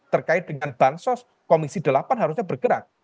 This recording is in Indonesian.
terkait dengan bansos komisi delapan harusnya bergerak